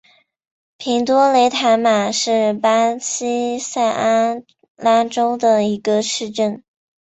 平多雷塔马是巴西塞阿拉州的一个市镇。